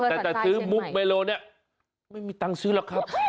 แต่จะซื้อมุกเมโลเนี่ยไม่มีตังค์ซื้อหรอกครับ